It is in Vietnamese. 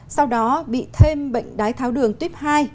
sau đó bị thêm bệnh đái tháo đường tuyếp hai